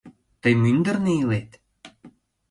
— Тый мӱндырнӧ илет?